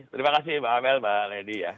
terima kasih mbak amel mbak lady ya